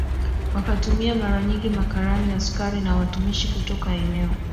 wakatumia mara nyingi makarani askari na watumishi kutoka eneo